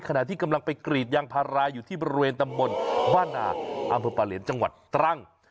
ขณะที่กำลังไปกรีดยางภาระอยู่ที่บริเวณตะมนต์ว่านาอำเภอปาเลนส์จังหวัดตรัง